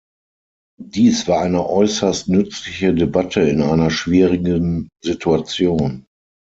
Dies war eine äußerst nützliche Debatte in einer schwierigen Situation.